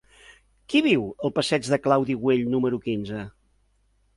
Qui viu al passeig de Claudi Güell número quinze?